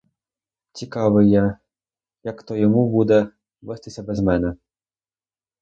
Цікавий я, як то йому буде вестися без мене.